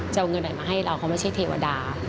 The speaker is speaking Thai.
จะเอาเงินไหนมาให้เราเขาไม่ใช่เทวดา